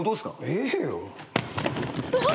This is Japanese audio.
ええよ。